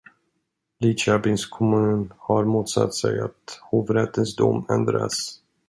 Lidköpings kommun har motsatt sig att hovrättens dom ändras.